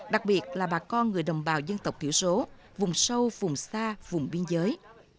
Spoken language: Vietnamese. đặc biệt là bà con người đồng bào dân tộc thiểu số vùng sâu vùng xa vùng biên giới